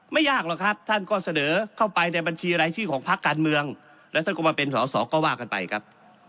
ไม่ยากหรอกครับท่านก็เสนอเข้าไปในบัญชีรายชื่อของพักการเมืองแล้วท่านก็มาเป็นสอสอก็ว่ากันไปครับ